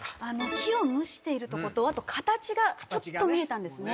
木を蒸しているとことあと形がちょっと見えたんですね